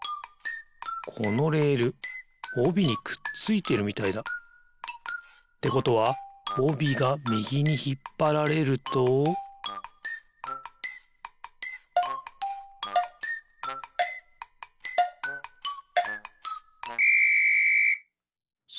このレールおびにくっついてるみたいだ。ってことはおびがみぎにひっぱられるとピッ！